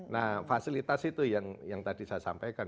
nah fasilitas itu yang tadi saya sampaikan